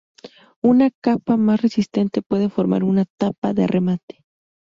Una capa más resistente puede formar una tapa de remate.